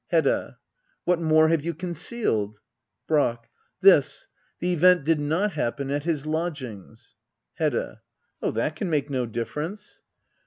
Hedda. What more have you concealed ? Brack. This — the event did not happen at his lodgings. Hedda. Oh, that can make no difference.